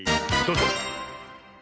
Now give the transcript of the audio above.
どうぞ。